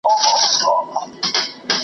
له لنډیو کفنونه محتسب لره ګنډمه .